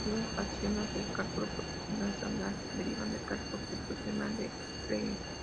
Todos los axiomas del calculo proposicional estándar derivan del calculo proposicional de Frege.